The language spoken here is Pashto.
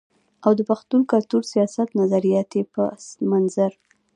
او د پښتون کلتور، سياست، نظرياتي پس منظر